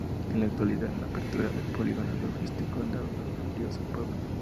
En la actualidad la apertura del polígono logístico ha dado nuevos bríos al pueblo.